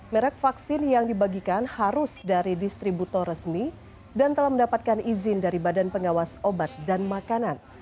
merek vaksin yang dibagikan harus dari distributor resmi dan telah mendapatkan izin dari badan pengawas obat dan makanan